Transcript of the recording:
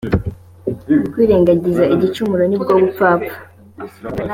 kwirengagiza igicumuro ni bwo bupfapfa